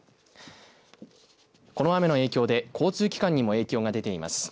この雨の影響で交通機関にも影響が出ています。